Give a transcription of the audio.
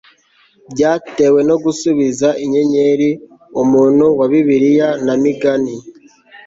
byatewe no gusubiza inyenyeri. umuntu wa bibiliya na migani